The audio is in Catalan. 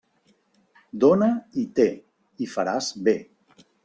Dóna i té, i faràs bé.